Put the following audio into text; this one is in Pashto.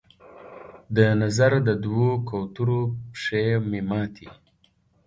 د نظر د دوو کوترو پښې مې ماتي